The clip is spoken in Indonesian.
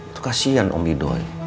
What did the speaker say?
itu kasian om lidoy